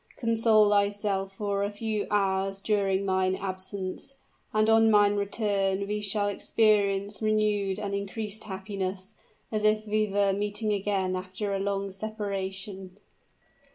Console thyself for a few hours during mine absence; and on my return we shall experience renewed and increased happiness, as if we were meeting again after a long separation."